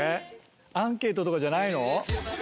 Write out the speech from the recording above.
アンケートとかじゃないの？